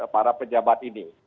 para pejabat ini